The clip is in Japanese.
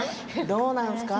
どうなんですか？